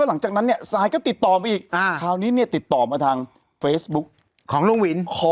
หลังจากนั้นรุ่นหวินก็กลับไป